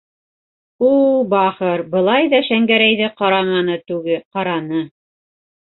У бахыр былай ҙа Шәңгәрәйҙе ҡараманы түге, ҡараны.